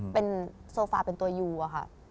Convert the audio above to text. เป็นโซฟาเป็นตัวยูอะค่ะ